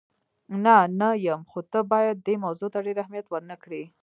نه، نه یم، خو ته باید دې موضوع ته ډېر اهمیت ور نه کړې.